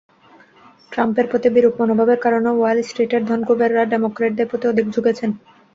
ট্রাম্পের প্রতি বিরূপ মনোভাবের কারণে ওয়াল স্ট্রিটের ধনকুবেররা ডেমোক্র্যাটদের প্রতি অধিক ঝুঁকেছেন।